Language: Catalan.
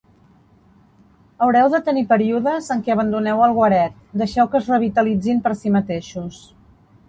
Haureu de tenir períodes en que abandoneu el guaret, deixeu que es revitalitzin per si mateixos.